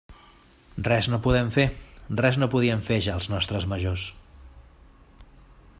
Res no podem fer, res no podien fer ja els nostres majors.